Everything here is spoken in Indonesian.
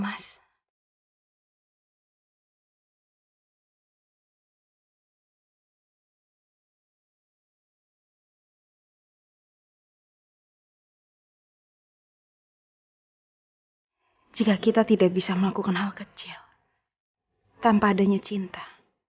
jika kita tidak bisa melakukan hal kecil tanpa adanya cinta